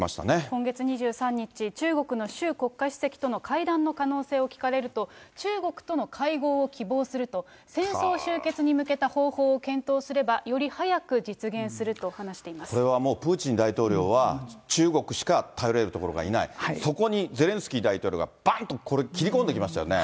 今月２３日、中国の習国家主席との会談の可能性を聞かれると、中国との会合を希望すると、戦争終結に向けた方法を検討すれば、より早く実現すると話していこれはもうプーチン大統領は、中国しか頼れるところがいない、そこにゼレンスキー大統領がばんっとこれ、切り込んできましたよね。